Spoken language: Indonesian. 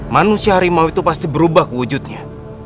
manusia harimau itu pasti berubah wujudnya